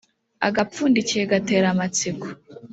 Agapfundikiye gatera amatsiko.